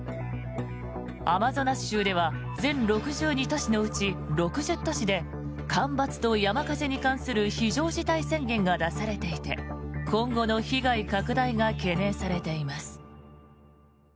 アマゾナス州では全６２都市のうち６０都市で干ばつと山火事に関する非常事態宣言が出されていて今後の被害拡大が懸念されています。